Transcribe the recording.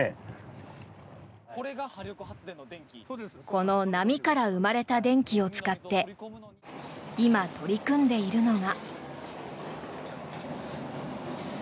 この波から生まれた電気を使って今、取り組んでいるのが。